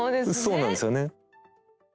そうなんですよね。